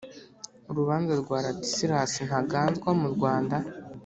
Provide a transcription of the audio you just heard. Urubanza rwa Ladislas Ntaganzwa mu Rwanda.